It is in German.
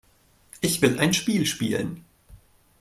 Ich will ein Spiel spielen.